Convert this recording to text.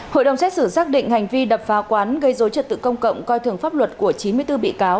hội đồng xét xử xác định hành vi đập phá quán gây dối trật tự công cộng coi thường pháp luật của chín mươi bốn bị cáo